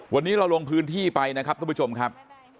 วันนี้เราลงพื้นที่ไปนะครับทุกผู้ชมครับ